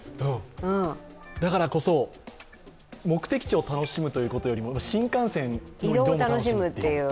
だからこそ、目的地を楽しむということよりも新幹線の移動を楽しむという。